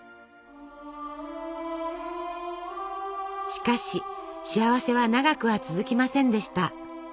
しかし幸せは長くは続きませんでした。